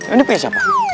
ini pake siapa